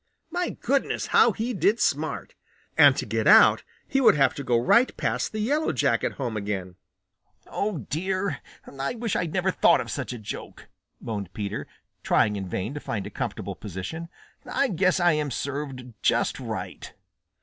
My goodness, how he did smart! And to get out he would have to go right past the Yellow Jacket home again. "Oh, dear, I wish I had never thought of such a joke," moaned Peter, trying in vain to find a comfortable position. "I guess I am served just right."